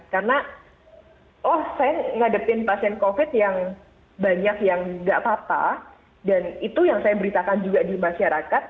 karena oh saya ngadepin pasien covid yang banyak yang nggak apa apa dan itu yang saya beritakan juga di masyarakat